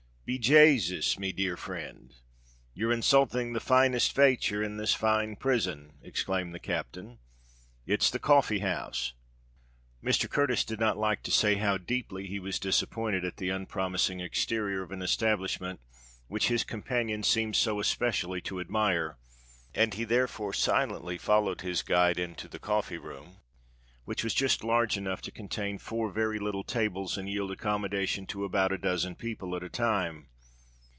"Be Jasus! me dear frind—and you're insulthing the finest fature in this fine prison," exclaimed the captain: "it's the coffee house." Mr. Curtis did not like to say how deeply he was disappointed at the unpromising exterior of an establishment which his companion seemed so especially to admire; and he therefore silently followed his guide into the coffee room, which was just large enough to contain four very little tables and yield accommodation to about a dozen people at a time.